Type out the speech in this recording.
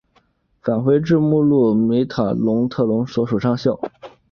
返回至目录梅塔特隆所属上校。